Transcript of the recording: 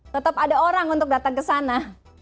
tetap ada orang untuk datang ke sana